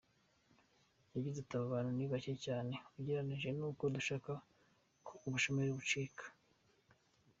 Yagize ati"Aba bantu ni bake cyane ugereranyije n’uko dushaka ko ubushomeri bucika.